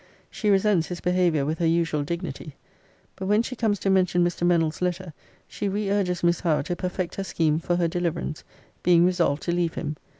She resents his behaviour with her usual dignity. But when she comes to mention Mr. Mennell's letter, she re urges Miss Howe to perfect her scheme for her deliverance; being resolved to leave him.